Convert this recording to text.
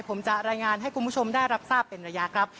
ผมจะรายงานให้คุณผู้ชมได้รับทราบเป็นระยะครับ